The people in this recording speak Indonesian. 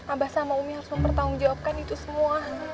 abah sama umi harus mempertanggung jawabkan itu semua